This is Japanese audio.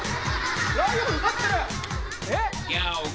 ライオンになってる。